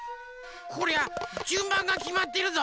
こりゃじゅんばんがきまってるぞ。